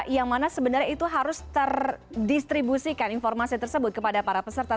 yang mana sebenarnya itu harus terdistribusikan informasi tersebut kepada para peserta